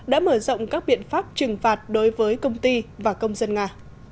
đã mở rộng các biện pháp trừng phạt đối với công ty và công dân nga